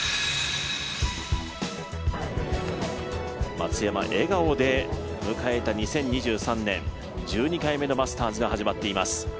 松山、笑顔で迎えた２０２３年、１２回目のマスターズが始まっています。